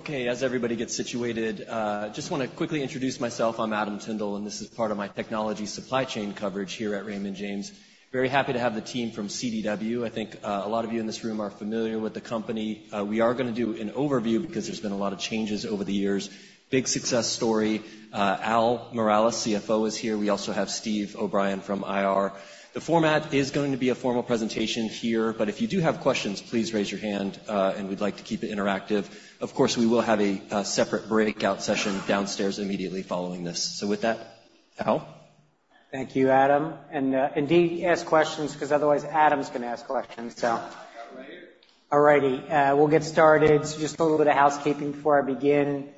Okay, as everybody gets situated, just want to quickly introduce myself. I'm Adam Tindle, and this is part of my technology supply chain coverage here at Raymond James. Very happy to have the team from CDW. I think a lot of you in this room are familiar with the company. We are going to do an overview because there's been a lot of changes over the years. Big success story. Al Miralles, CFO, is here. We also have Steve O'Brien from IR. The format is going to be a formal presentation here, but if you do have questions, please raise your hand, and we'd like to keep it interactive. Of course, we will have a separate breakout session downstairs immediately following this. With that, Al? Thank you, Adam. Indeed, ask questions because otherwise Adam's going to ask questions, so. Alrighty. Alrighty. We'll get started. So just a little bit of housekeeping before I begin.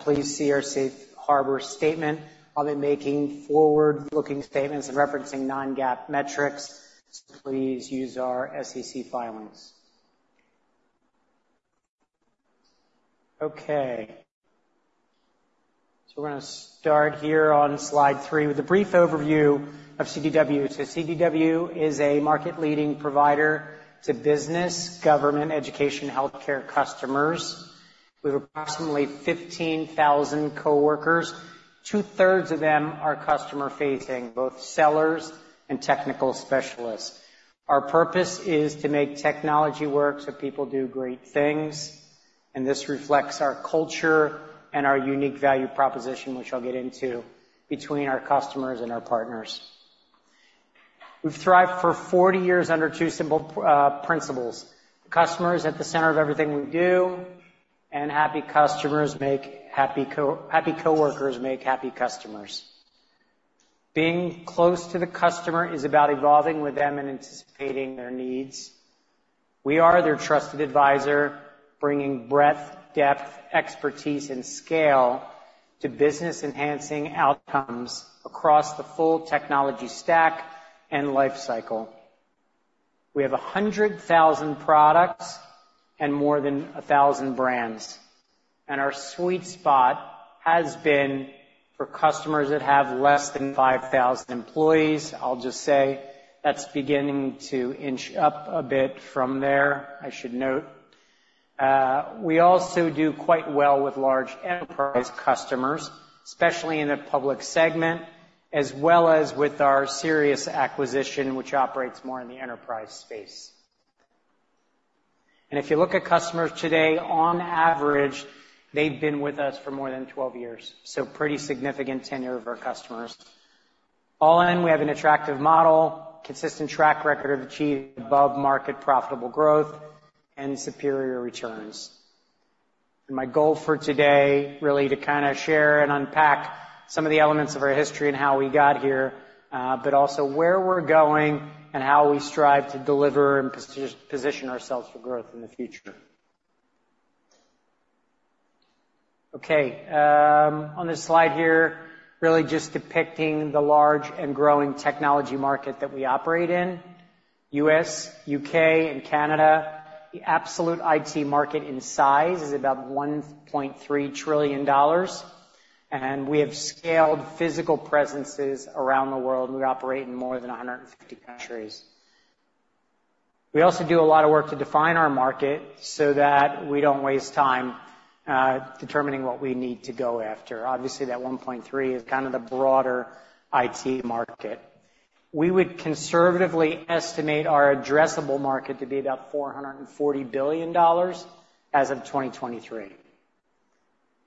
Please see our safe harbor statement. I'll be making forward-looking statements and referencing Non-GAAP metrics, so please use our SEC filings. Okay. So we're going to start here on slide three with a brief overview of CDW. So CDW is a market-leading provider to business, government, education, healthcare customers. We have approximately 15,000 coworkers. Two-thirds of them are customer-facing, both sellers and technical specialists. Our purpose is to make technology work so people do great things, and this reflects our culture and our unique value proposition, which I'll get into, between our customers and our partners. We've thrived for 40 years under two simple principles: customers at the center of everything we do, and happy coworkers make happy customers. Being close to the customer is about evolving with them and anticipating their needs. We are their trusted advisor, bringing breadth, depth, expertise, and scale to business-enhancing outcomes across the full technology stack and lifecycle. We have 100,000 products and more than 1,000 brands. Our sweet spot has been for customers that have less than 5,000 employees. I'll just say that's beginning to inch up a bit from there, I should note. We also do quite well with large enterprise customers, especially in the public segment, as well as with our Sirius acquisition, which operates more in the enterprise space. If you look at customers today, on average, they've been with us for more than 12 years, so pretty significant tenure of our customers. All in, we have an attractive model, consistent track record of achieving above-market profitable growth, and superior returns. My goal for today, really, to kind of share and unpack some of the elements of our history and how we got here, but also where we're going and how we strive to deliver and position ourselves for growth in the future. Okay. On this slide here, really just depicting the large and growing technology market that we operate in: U.S., U.K., and Canada. The absolute IT market in size is about $1.3 trillion, and we have scaled physical presences around the world. We operate in more than 150 countries. We also do a lot of work to define our market so that we don't waste time, determining what we need to go after. Obviously, that 1.3 is kind of the broader IT market. We would conservatively estimate our addressable market to be about $440 billion as of 2023.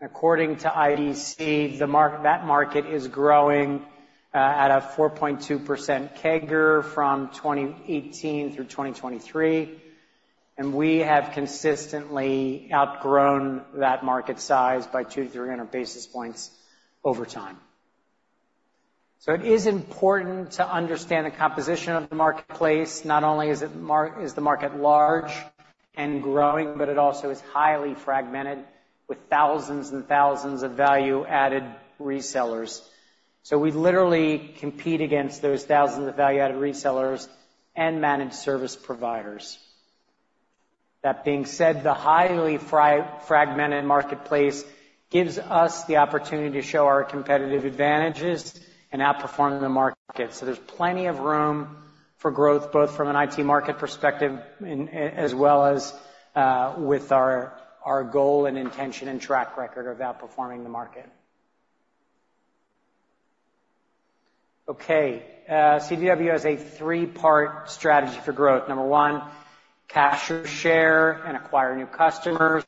According to IDC, the market is growing at a 4.2% CAGR from 2018 through 2023, and we have consistently outgrown that market size by 200-300 basis points over time. So it is important to understand the composition of the marketplace. Not only is the market large and growing, but it also is highly fragmented with thousands and thousands of value-added resellers. So we literally compete against those thousands of value-added resellers and managed service providers. That being said, the highly fragmented marketplace gives us the opportunity to show our competitive advantages and outperform the market. So there's plenty of room for growth both from an IT market perspective and, and as well as, with our, our goal and intention and track record of outperforming the market. Okay. CDW has a three-part strategy for growth. Number one, capture share and acquire new customers.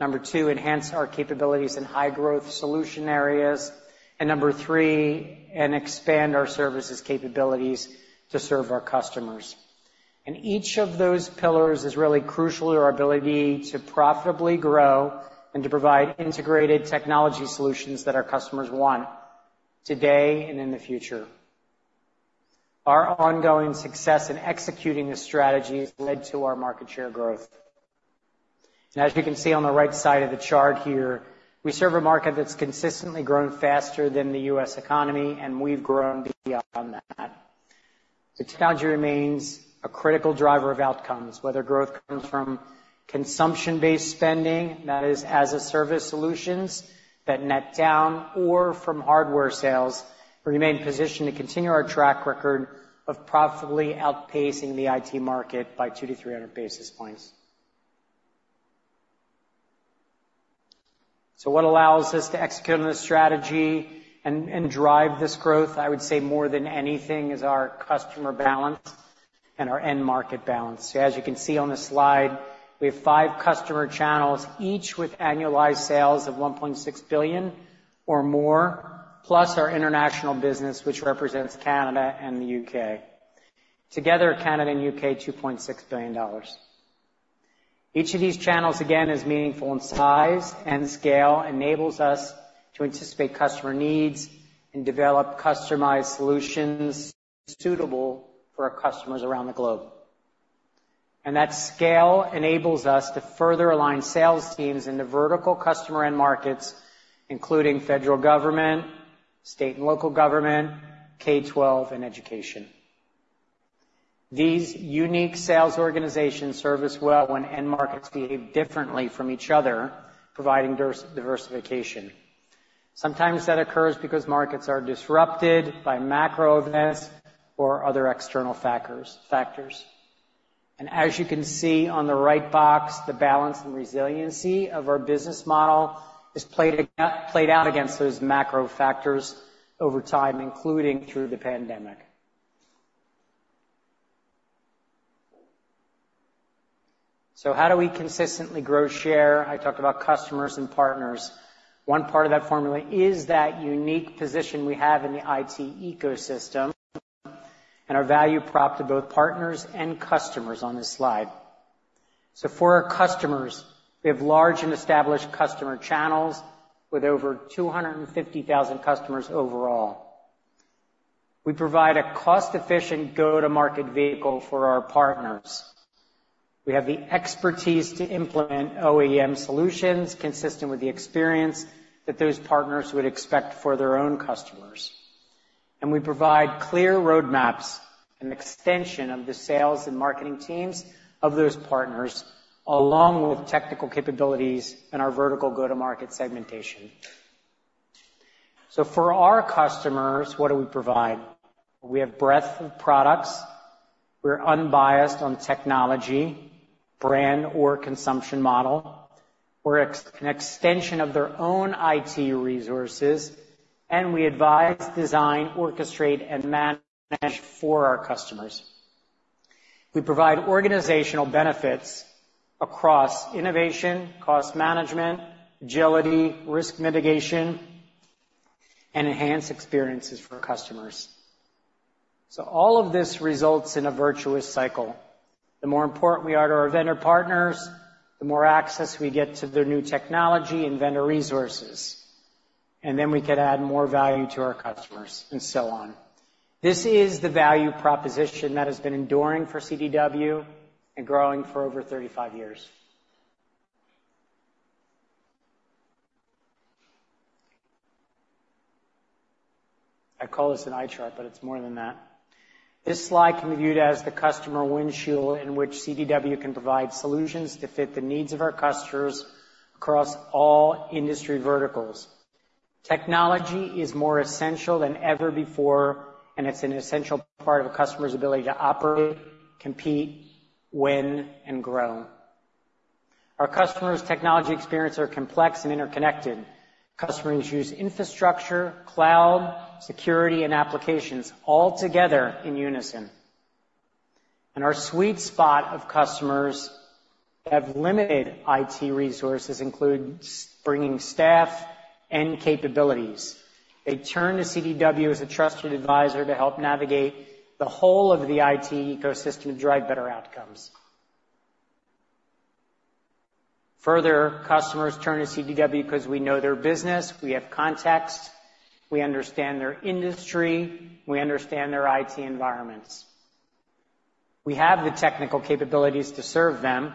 Number two, enhance our capabilities in high-growth solution areas. Number three, expand our services capabilities to serve our customers. Each of those pillars is really crucial to our ability to profitably grow and to provide integrated technology solutions that our customers want today and in the future. Our ongoing success in executing this strategy has led to our market share growth. As you can see on the right side of the chart here, we serve a market that's consistently grown faster than the U.S. economy, and we've grown beyond that. The technology remains a critical driver of outcomes, whether growth comes from consumption-based spending, that is, as-a-service solutions, that net down, or from hardware sales. We remain positioned to continue our track record of profitably outpacing the IT market by 2-300 basis points. So what allows us to execute on this strategy and, and drive this growth, I would say more than anything, is our customer balance and our end-market balance. So as you can see on this slide, we have five customer channels, each with annualized sales of $1.6 billion or more, plus our international business, which represents Canada and the UK. Together, Canada and UK, $2.6 billion. Each of these channels, again, is meaningful in size and scale, enables us to anticipate customer needs and develop customized solutions suitable for our customers around the globe. And that scale enables us to further align sales teams into vertical customer end markets, including federal government, state and local government, K-12, and education. These unique sales organizations service well when end markets behave differently from each other, providing diversification. Sometimes that occurs because markets are disrupted by macro events or other external factors. As you can see on the right box, the balance and resiliency of our business model is played out against those macro factors over time, including through the pandemic. So how do we consistently grow share? I talked about customers and partners. One part of that formula is that unique position we have in the IT ecosystem and our value prop to both partners and customers on this slide. So for our customers, we have large and established customer channels with over 250,000 customers overall. We provide a cost-efficient go-to-market vehicle for our partners. We have the expertise to implement OEM solutions consistent with the experience that those partners would expect for their own customers. And we provide clear roadmaps, an extension of the sales and marketing teams of those partners, along with technical capabilities and our vertical go-to-market segmentation. So for our customers, what do we provide? We have breadth of products. We're unbiased on technology, brand, or consumption model. We're an extension of their own IT resources, and we advise, design, orchestrate, and manage for our customers. We provide organizational benefits across innovation, cost management, agility, risk mitigation, and enhanced experiences for customers. So all of this results in a virtuous cycle. The more important we are to our vendor partners, the more access we get to their new technology and vendor resources, and then we can add more value to our customers, and so on. This is the value proposition that has been enduring for CDW and growing for over 35 years. I call this an iChart, but it's more than that. This slide can be viewed as the customer windshield in which CDW can provide solutions to fit the needs of our customers across all industry verticals. Technology is more essential than ever before, and it's an essential part of a customer's ability to operate, compete, win, and grow. Our customers' technology experiences are complex and interconnected. Customers use infrastructure, cloud, security, and applications all together in unison. And our sweet spot of customers that have limited IT resources includes bringing staff and capabilities. They turn to CDW as a trusted advisor to help navigate the whole of the IT ecosystem to drive better outcomes. Further, customers turn to CDW because we know their business, we have context, we understand their industry, we understand their IT environments. We have the technical capabilities to serve them,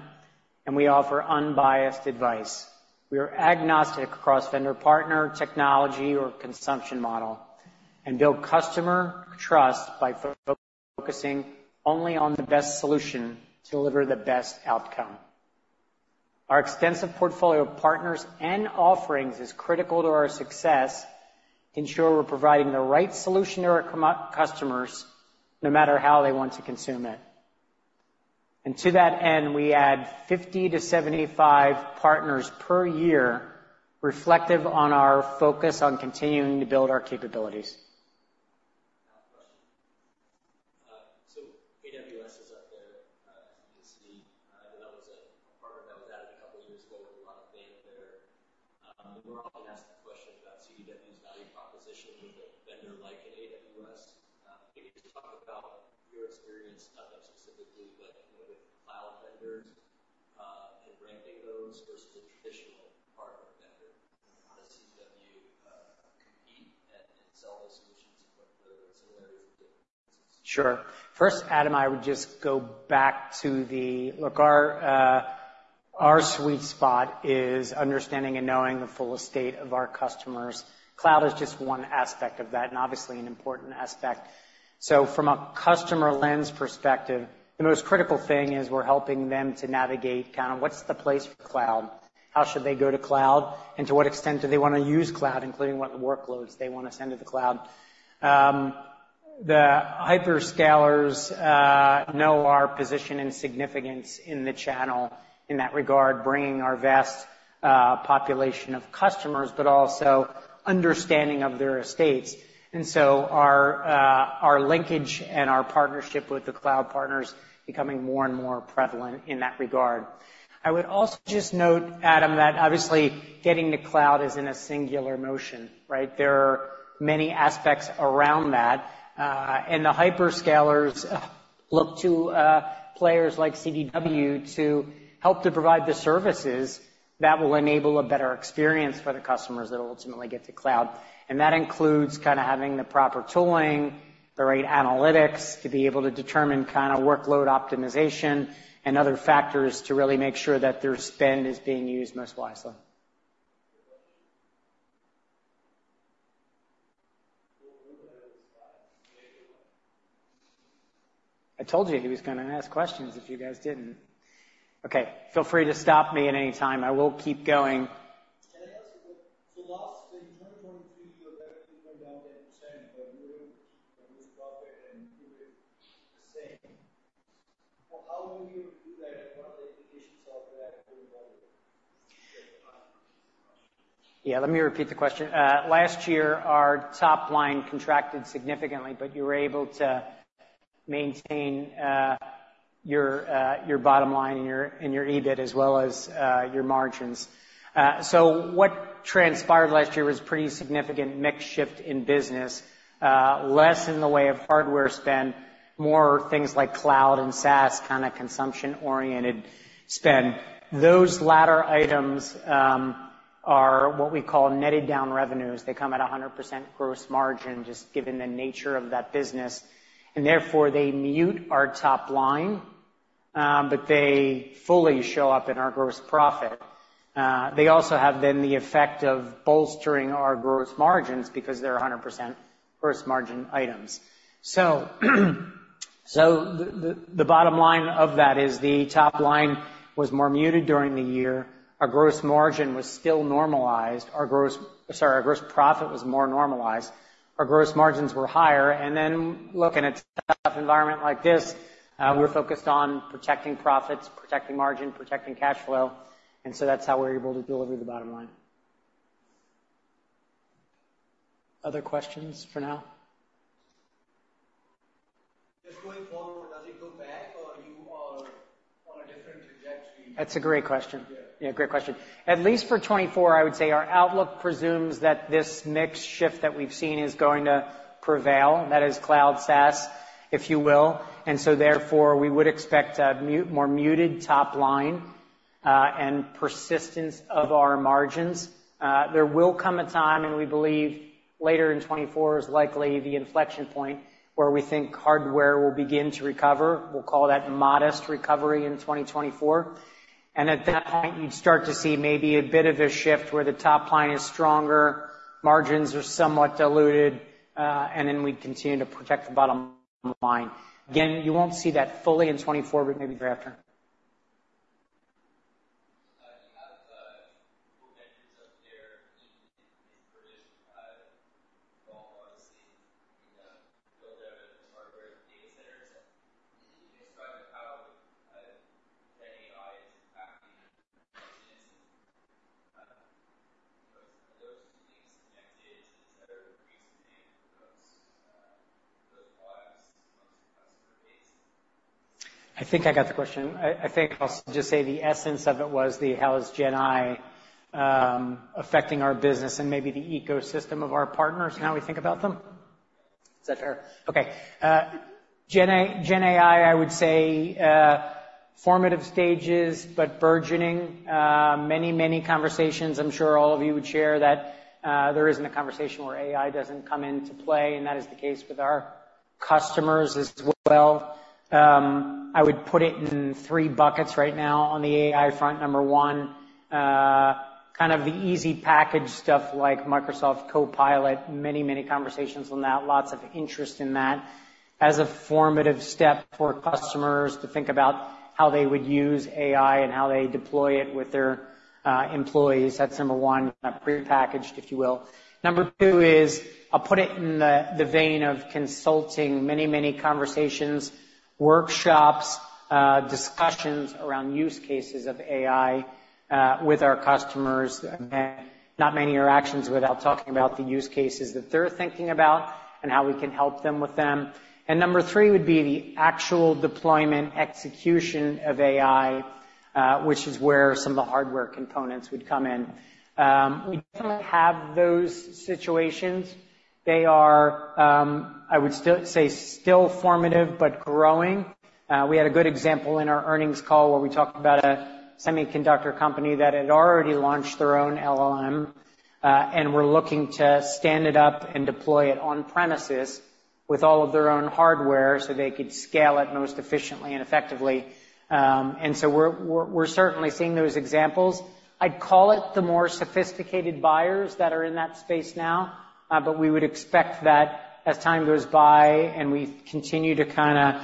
and we offer unbiased advice. We are agnostic across vendor-partner technology or consumption model and build customer trust by focusing only on the best solution to deliver the best outcome. Our extensive portfolio of partners and offerings is critical to our success to ensure we're providing the right solution to our customers no matter how they want to consume it. To that end, we add 50-75 partners per year reflective on our focus on continuing to build our capabilities. Last question. So AWS is up there, as you can see. I know that was a partner that was added a couple of years ago with a lot of name there. We're often asked the question about CDW's value proposition with a vendor like an AWS. Maybe just talk about your experience not that specifically, but, you know, with cloud vendors, and ranking those versus a traditional partner vendor. You know, how does CDW compete and sell those solutions and whether there are similarities or differences? Sure. First, Adam, I would just go back to the look, our, our sweet spot is understanding and knowing the full estate of our customers. Cloud is just one aspect of that and obviously an important aspect. So from a customer lens perspective, the most critical thing is we're helping them to navigate kind of what's the place for cloud, how should they go to cloud, and to what extent do they want to use cloud, including what workloads they want to send to the cloud. The hyperscalers know our position and significance in the channel in that regard, bringing our vast population of customers but also understanding of their estates. And so our, our linkage and our partnership with the cloud partners becoming more and more prevalent in that regard. I would also just note, Adam, that obviously getting to cloud is in a singular motion, right? There are many aspects around that. The hyperscalers look to players like CDW to help to provide the services that will enable a better experience for the customers that ultimately get to cloud. That includes kind of having the proper tooling, the right analytics to be able to determine kind of workload optimization, and other factors to really make sure that their spend is being used most wisely. I told you he was going to ask questions if you guys didn't. Okay. Feel free to stop me at any time. I will keep going. Can I ask you, so last in 2022, your revenue went down 10%, but you were able to keep your gross profit and improve it the same. Well, how were you able to do that, and what are the implications of that for the market? Yeah. Let me repeat the question. Last year, our top line contracted significantly, but you were able to maintain your bottom line and your EBIT as well as your margins. So what transpired last year was a pretty significant mix shift in business, less in the way of hardware spend, more things like cloud and SaaS kind of consumption-oriented spend. Those latter items are what we call netted-down revenues. They come at 100% gross margin just given the nature of that business, and therefore they mute our top line, but they fully show up in our gross profit. They also have then the effect of bolstering our gross margins because they're 100% gross margin items. So the bottom line of that is the top line was more muted during the year. Our gross margin was still normalized. Our gross profit was more normalized. Our gross margins were higher. Then looking at a tough environment like this, we're focused on protecting profits, protecting margin, protecting cash flow, and so that's how we're able to deliver the bottom line. Other questions for now? Just going forward, does it go back, or you are on a different trajectory? That's a great question. Yeah. Yeah, great question. At least for 2024, I would say our outlook presumes that this mix shift that we've seen is going to prevail, and that is cloud SaaS, if you will. And so therefore we would expect a mute more muted top line, and persistence of our margins. There will come a time, and we believe later in 2024 is likely the inflection point where we think hardware will begin to recover. We'll call that modest recovery in 2024. And at that point, you'd start to see maybe a bit of a shift where the top line is stronger, margins are somewhat diluted, and then we continue to protect the bottom line. I think I got the question. I think I'll just say the essence of it was the how is GenAI affecting our business and maybe the ecosystem of our partners now we think about them? Is that fair? Okay. GenAI, I would say, formative stages but burgeoning. Many, many conversations, I'm sure all of you would share, that there isn't a conversation where AI doesn't come into play, and that is the case with our customers as well. I would put it in three buckets right now on the AI front. Number one, kind of the easy package stuff like Microsoft Copilot. Many, many conversations on that. Lots of interest in that as a formative step for customers to think about how they would use AI and how they deploy it with their employees. That's number one, kind of prepackaged, if you will. Number two is I'll put it in the vein of consulting. Many, many conversations, workshops, discussions around use cases of AI, with our customers. Again, not many are actions without talking about the use cases that they're thinking about and how we can help them with them. Number three would be the actual deployment execution of AI, which is where some of the hardware components would come in. We definitely have those situations. They are, I would still say, still formative but growing. We had a good example in our earnings call where we talked about a semiconductor company that had already launched their own LLM, and were looking to stand it up and deploy it on-premises with all of their own hardware so they could scale it most efficiently and effectively. And so we're certainly seeing those examples. I'd call it the more sophisticated buyers that are in that space now, but we would expect that as time goes by and we continue to kind of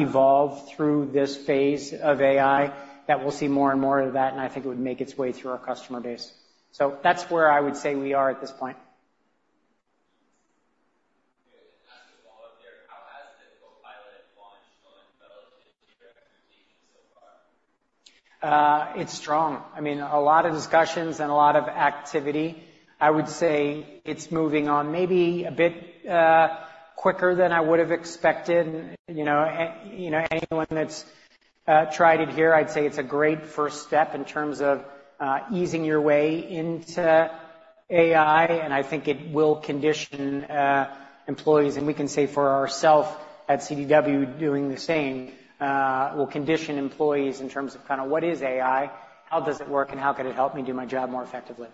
evolve through this phase of AI that we'll see more and more of that, and I think it would make its way through our customer base. So that's where I would say we are at this point. Okay. Last follow-up there. How has the Copilot launch been relative to your expectations so far? It's strong. I mean, a lot of discussions and a lot of activity. I would say it's moving on maybe a bit quicker than I would have expected. You know, you know, anyone that's tried it here, I'd say it's a great first step in terms of easing your way into AI, and I think it will condition employees. And we can say for ourselves at CDW doing the same, will condition employees in terms of kind of what is AI, how does it work, and how could it help me do my job more effectively.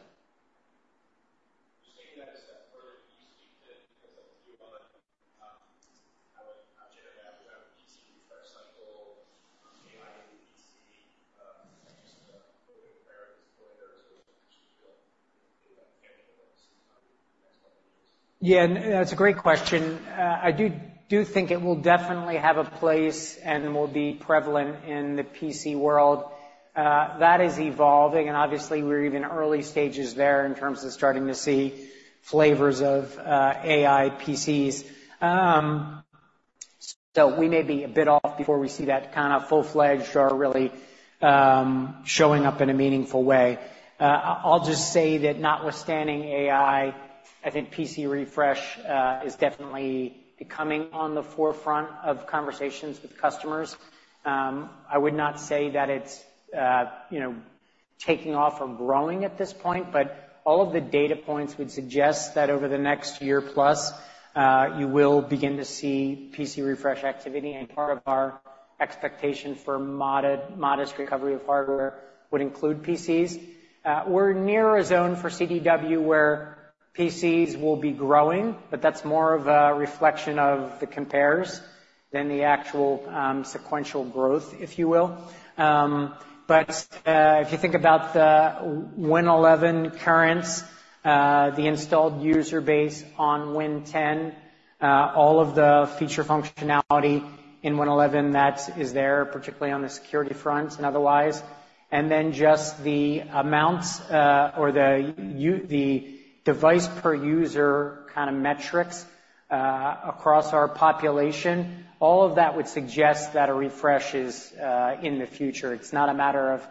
Just taking that a step further, can you speak to how GenAI would have a PC refresh cycle, AI in the PC, just what would it require at this point or is there some potential to feel like it might be tangible at the same time in the next couple of years? Yeah. And that's a great question. I do think it will definitely have a place and will be prevalent in the PC world that is evolving, and obviously we're even early stages there in terms of starting to see flavors of AI PCs. So we may be a bit off before we see that kind of full-fledged or really showing up in a meaningful way. I'll just say that notwithstanding AI, I think PC refresh is definitely becoming on the forefront of conversations with customers. I would not say that it's, you know, taking off or growing at this point, but all of the data points would suggest that over the next year plus, you will begin to see PC refresh activity, and part of our expectation for modest recovery of hardware would include PCs. We're near a zone for CDW where PCs will be growing, but that's more of a reflection of the compares than the actual, sequential growth, if you will. But if you think about the Windows 11 currents, the installed user base on Windows 10, all of the feature functionality in Windows 11 that is there, particularly on the security fronts and otherwise, and then just the amounts, or the device per user kind of metrics, across our population, all of that would suggest that a refresh is in the future. It's not a matter of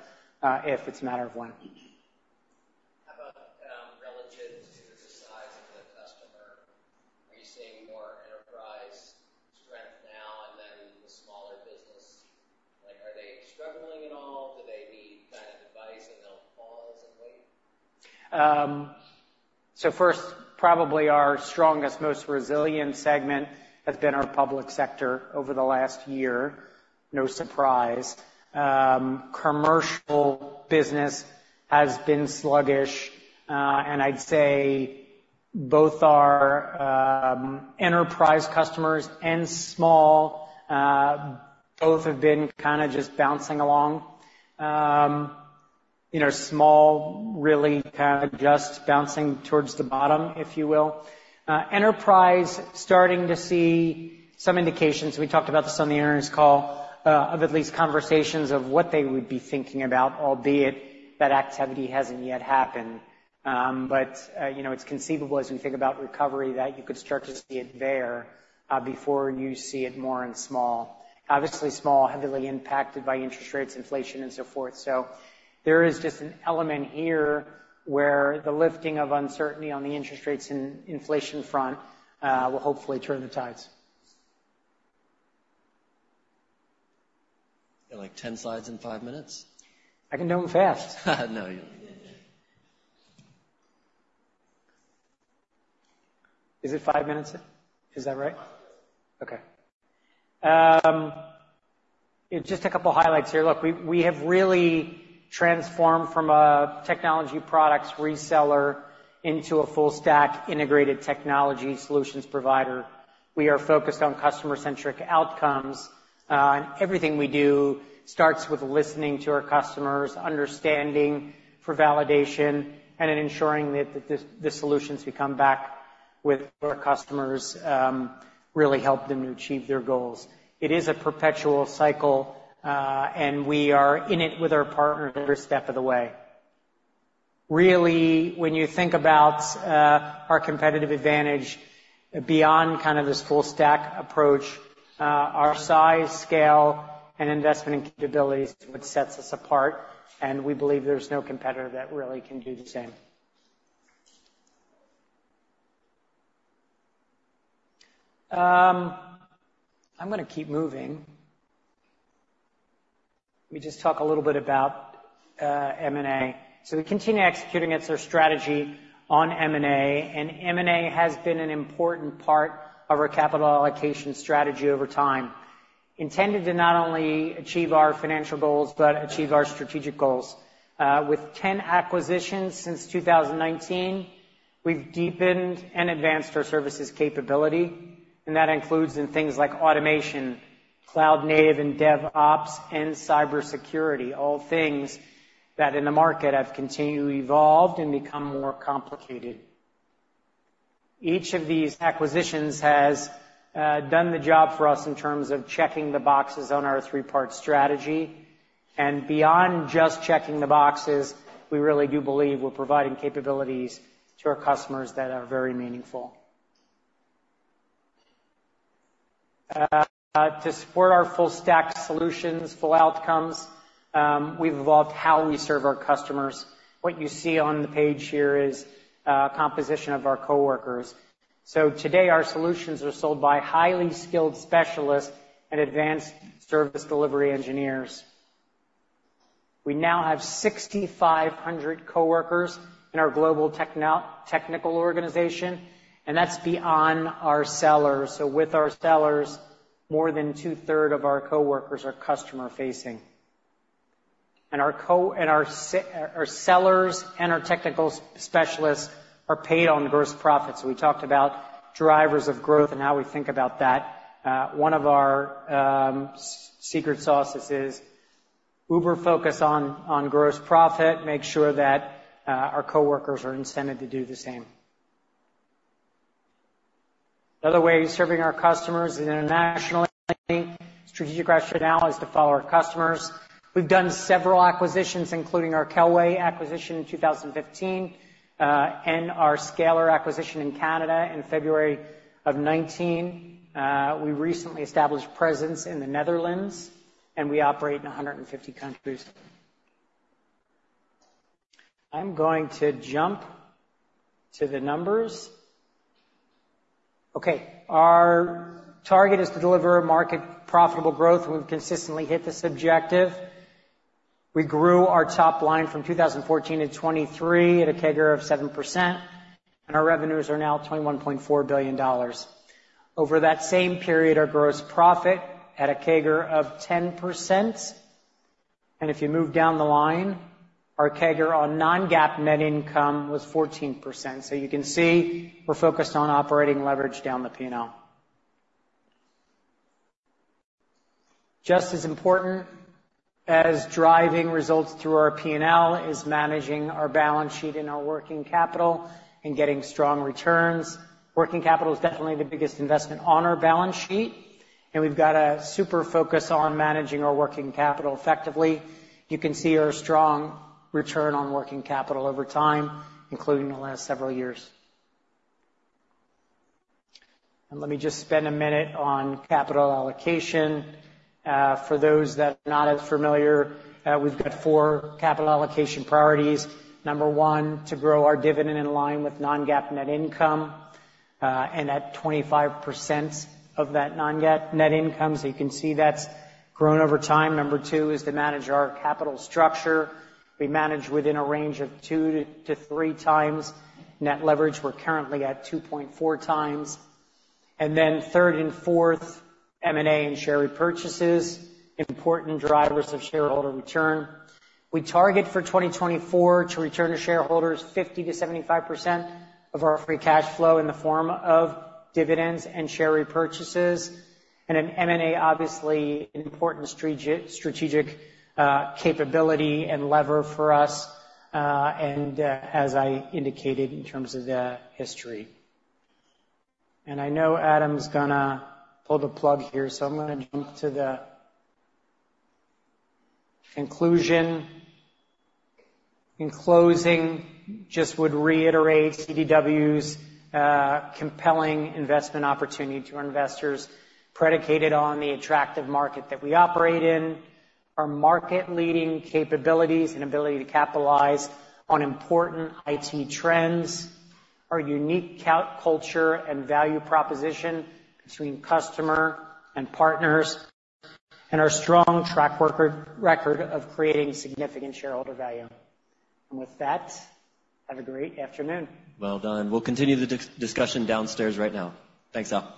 if. It's a matter of when. How about, relative to the size of the customer? Are you seeing more enterprise strength now and then the smaller business? Like, are they struggling at all? Do they need kind of device and they'll pause and wait? So first, probably our strongest, most resilient segment has been our public sector over the last year. No surprise. Commercial business has been sluggish, and I'd say both our enterprise customers and small both have been kind of just bouncing along. You know, small really kind of just bouncing towards the bottom, if you will. Enterprise starting to see some indications. We talked about this on the earnings call, of at least conversations of what they would be thinking about, albeit that activity hasn't yet happened. But, you know, it's conceivable as we think about recovery that you could start to see it there, before you see it more in small. Obviously, small heavily impacted by interest rates, inflation, and so forth. So there is just an element here where the lifting of uncertainty on the interest rates and inflation front will hopefully turn the tides. You got like 10 slides in 5 minutes? I can do them fast. No, you don't. Is it five minutes? Is that right? Five, yes. Okay. Just a couple highlights here. Look, we, we have really transformed from a technology products reseller into a full-stack integrated technology solutions provider. We are focused on customer-centric outcomes, and everything we do starts with listening to our customers, understanding for validation, and then ensuring that, that this, the solutions we come back with our customers, really help them to achieve their goals. It is a perpetual cycle, and we are in it with our partners every step of the way. Really, when you think about, our competitive advantage beyond kind of this full-stack approach, our size, scale, and investment capabilities is what sets us apart, and we believe there's no competitor that really can do the same. I'm going to keep moving. Let me just talk a little bit about, M&A. So we continue executing as our strategy on M&A, and M&A has been an important part of our capital allocation strategy over time, intended to not only achieve our financial goals but achieve our strategic goals. With 10 acquisitions since 2019, we've deepened and advanced our services capability, and that includes in things like automation, cloud-native and DevOps, and cybersecurity, all things that in the market have continually evolved and become more complicated. Each of these acquisitions has done the job for us in terms of checking the boxes on our three-part strategy, and beyond just checking the boxes, we really do believe we're providing capabilities to our customers that are very meaningful. To support our full-stack solutions, full outcomes, we've evolved how we serve our customers. What you see on the page here is a composition of our coworkers. So today our solutions are sold by highly skilled specialists and advanced service delivery engineers. We now have 6,500 coworkers in our global technical organization, and that's beyond our sellers. So with our sellers, more than two-thirds of our coworkers are customer-facing. And our sellers and our technical specialists are paid on gross profit. So we talked about drivers of growth and how we think about that. One of our secret sauces is our focus on gross profit. Make sure that our coworkers are incented to do the same. Another way of serving our customers internationally, strategic rationale is to follow our customers. We've done several acquisitions, including our Kelway acquisition in 2015, and our Scalar acquisition in Canada in February of 2019. We recently established presence in the Netherlands, and we operate in 150 countries. I'm going to jump to the numbers. Okay. Our target is to deliver market profitable growth, and we've consistently hit this objective. We grew our top line from 2014 to 2023 at a CAGR of 7%, and our revenues are now $21.4 billion. Over that same period, our gross profit at a CAGR of 10%. And if you move down the line, our CAGR on non-GAAP net income was 14%. So you can see we're focused on operating leverage down the P&L. Just as important as driving results through our P&L is managing our balance sheet and our working capital and getting strong returns. Working capital is definitely the biggest investment on our balance sheet, and we've got a super focus on managing our working capital effectively. You can see our strong return on working capital over time, including the last several years. And let me just spend a minute on capital allocation. For those that are not as familiar, we've got four capital allocation priorities. Number one, to grow our dividend in line with non-GAAP net income, and at 25% of that non-GAAP net income. So you can see that's grown over time. Number two is to manage our capital structure. We manage within a range of 2-3 times net leverage. We're currently at 2.4 times. And then third and fourth, M&A and share repurchases, important drivers of shareholder return. We target for 2024 to return to shareholders 50%-75% of our free cash flow in the form of dividends and share repurchases, and an M&A, obviously, important strategic, strategic, capability and lever for us, and, as I indicated in terms of the history. And I know Adam's going to pull the plug here, so I'm going to jump to the conclusion. In closing, just would reiterate CDW's compelling investment opportunity to our investors predicated on the attractive market that we operate in, our market-leading capabilities and ability to capitalize on important IT trends, our unique culture and value proposition between customer and partners, and our strong track record of creating significant shareholder value. With that, have a great afternoon. Well done. We'll continue the discussion downstairs right now. Thanks, Al.